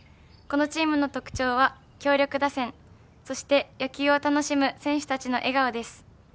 このチームの特徴は、強力打線そして野球を楽しむ選手たちの笑顔です。